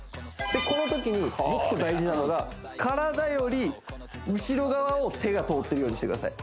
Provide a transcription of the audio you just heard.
このときにもっと大事なのが体より後ろ側を手が通っていくようにしてください